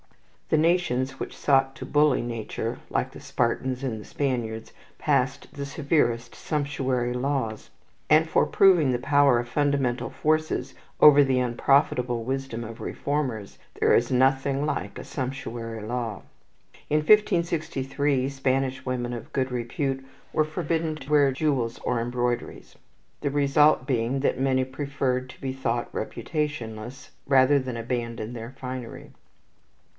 The nations which sought to bully nature, like the Spartans and the Spaniards, passed the severest sumptuary laws; and for proving the power of fundamental forces over the unprofitable wisdom of reformers, there is nothing like a sumptuary law. In 1563 Spanish women of good repute were forbidden to wear jewels or embroideries, the result being that many preferred to be thought reputationless, rather than abandon their finery.